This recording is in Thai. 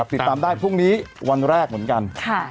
ติดตามได้พรุ่งนี้วันแรกเหมือนกัน